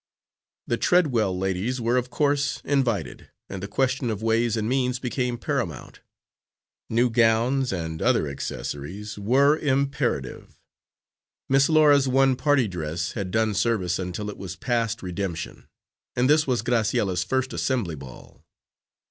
The Treadwell ladies were of course invited, and the question of ways and means became paramount. New gowns and other accessories were imperative. Miss Laura's one party dress had done service until it was past redemption, and this was Graciella's first Assembly Ball.